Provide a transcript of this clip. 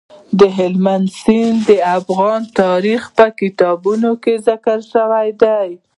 هلمند سیند د افغان تاریخ په کتابونو کې ذکر شوی دي.